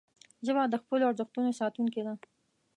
ژبه د خپلو ارزښتونو ساتونکې ده